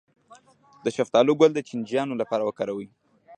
د شفتالو ګل د چینجیانو لپاره وکاروئ